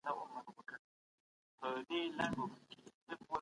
خلګو مخکي يووالی درلود.